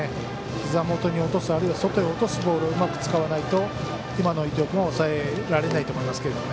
ひざ元に落とすあるいは外に落とすボールうまく使わないと今の伊藤君は抑えられないと思いますけれども。